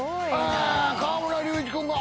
河村隆一君が。